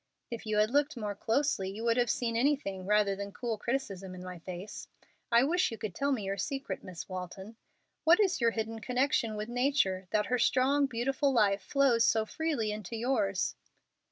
"If you had looked more closely you would have seen anything rather than cool criticism in my face. I wish you could tell me your secret, Miss Walton. What is your hidden connection with Nature, that her strong, beautiful life flows so freely into yours?"